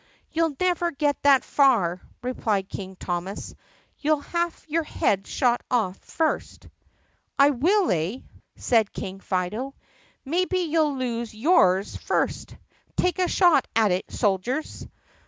"You'll never get that far!" replied King Thomas. "You 'll have your head shot off first." "I will, eh?" said King Fido. "Maybe you 'll lose yours first. Take a shot at it, soldiers!"